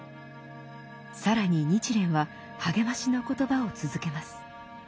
更に日蓮は励ましの言葉を続けます。